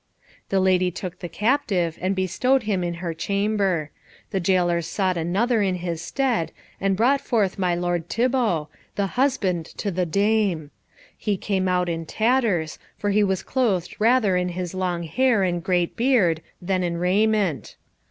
The lady took the captive, and bestowed him in her chamber. The gaolers sought another in his stead, and brought forth my lord Thibault, the husband to the dame. He came out in tatters, for he was clothed rather in his long hair and great beard, than in raiment.